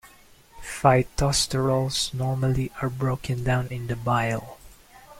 Phytosterols normally are broken down in the bile.